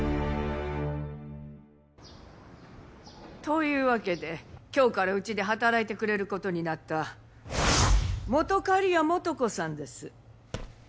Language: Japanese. というわけで今日からうちで働いてくれる事になった本仮屋素子さんです。